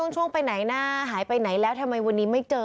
ช่วงไปไหนนะหายไปไหนแล้วทำไมวันนี้ไม่เจอ